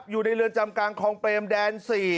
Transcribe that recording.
อยู่ในเรือนจำกลางคลองเปรมแดน๔